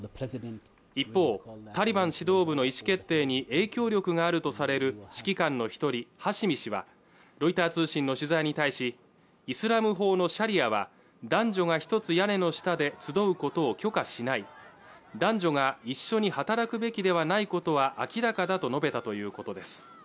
一方タリバン指導部の意思決定に影響力があるとされる指揮官の一人ハシミ氏はロイター通信の取材に対しイスラム法のシャリアは男女が一つ屋根の下で集うことを許可しない男女が一緒に働くべきではないことは明らかだと述べたということです